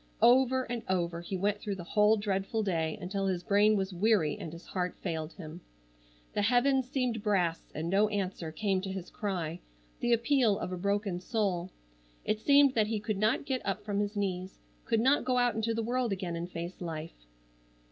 Over and over he went through the whole dreadful day, until his brain was weary and his heart failed him. The heavens seemed brass and no answer came to his cry,—the appeal of a broken soul. It seemed that he could not get up from his knees, could not go out into the world again and face life.